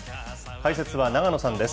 解説は永野さんです。